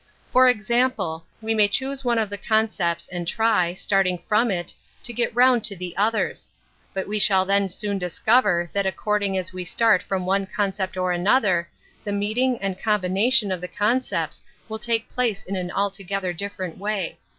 For example, we may choose one of the concepts and try, starting from it, to get round to the others. But we shall then soon discover that ac cording as we start from one concept or another, the meeting and combination of the concepts will take place in an altogether different way.